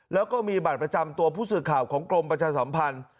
แล้วก็มีบัตรประจำตัวผู้สื่อข่าวของกรมประชาสัมพันธ์